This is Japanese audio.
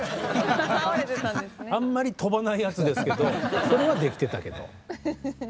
あんまり飛ばないやつですけどそれはできてたけど。